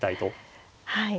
はい。